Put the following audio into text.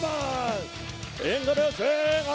มีความรู้สึกว่า